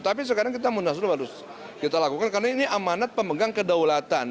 tapi sekarang kita munaslup harus kita lakukan karena ini amanat pemegang kedaulatan